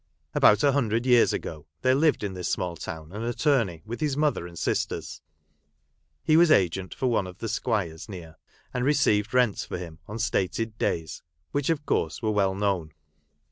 About a hundred years ago there lived in this small town an attorney, with his mother and sisters. He was agent for one of the squires near, and received rents for him on stated days, which of course were well known.